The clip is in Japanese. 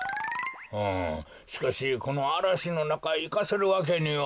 うんしかしこのあらしのなかいかせるわけには。